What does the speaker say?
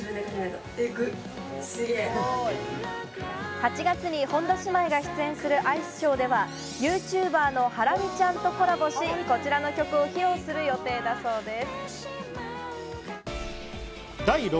８月に本田姉妹が出演するアイスショーでは、ＹｏｕＴｕｂｅｒのハラミちゃんとコラボし、こちらの曲を披露する予定だそうです。